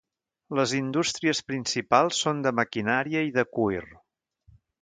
Les indústries principals són de maquinària i de cuir.